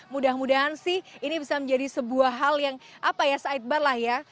mudah mudahan sih ini bisa menjadi sebuah hal yang apa ya sidebar lah ya